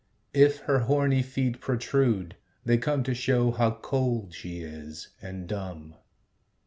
If her horny feet protrude, they come To show how cold she is, and dumb.